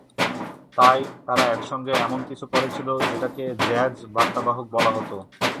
তাই, তারা একসঙ্গে এমন কিছু করেছিল, যেটাকে জ্যাজ বার্তাবাহক বলা হতো।